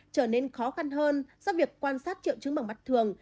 trở nên khó khăn hơn do việc quan sát triệu trứng bằng mặt thường